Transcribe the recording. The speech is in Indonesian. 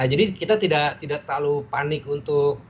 jadi kita tidak tidak terlalu panik untuk